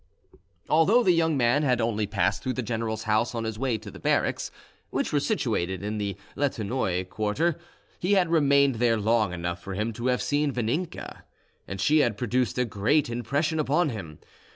Although the young man had only passed through the general's house on his way to the barracks, which were situated in the Litenoi quarter, he had remained there long enough for him to have seen Vaninka, and she had produced a great impression upon him.